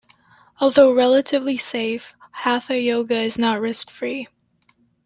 Although relatively safe, Hatha Yoga is not risk free.